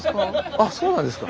あっそうなんですか。